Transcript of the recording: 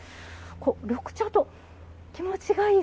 緑茶、気持ちがいい。